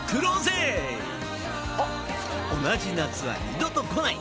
同じ夏は二度と来ない！